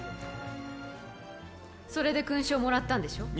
それで勲章をもらったんでしょう。